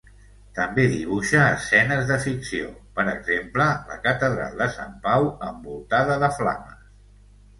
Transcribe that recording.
També dibuixa escenes de ficció, per exemple, la Catedral de Sant Pau envoltada de flames.